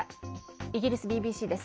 イギリスＢＢＣです。